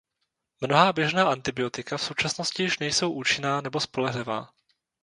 Mnohá běžná antibiotika v současnosti již nejsou účinná nebo spolehlivá.